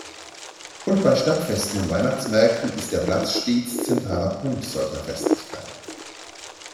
Und bei Stadtfesten und Weihnachtsmärkten ist der Platz stets zentraler Punkt solcher Festlichkeiten.